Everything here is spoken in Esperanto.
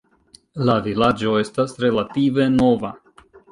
La vilaĝo estas relative nova.